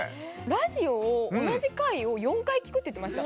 ラジオを同じ回を４回聴くって言ってました。